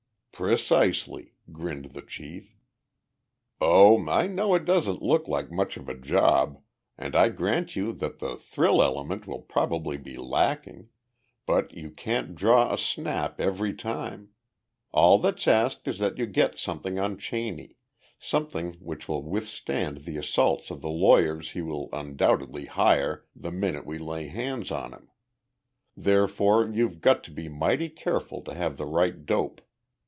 "Precisely," grinned the chief. "Oh, I know it doesn't look like much of a job and I grant you that the thrill element will probably be lacking. But you can't draw a snap every time. All that's asked is that you get something on Cheney something which will withstand the assaults of the lawyers he will undoubtedly hire the minute we lay hands on him. Therefore you've got to be mighty careful to have the right dope.